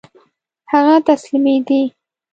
هغه تسلیمېدی.